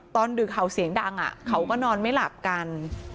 ดึกเห่าเสียงดังเขาก็นอนไม่หลับกัน